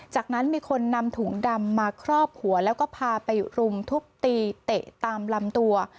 จากนั้นมีคนนำถุงดำมาครอบหัวแล้วก็พาไปรุมทุบตีเตะตามลำตัว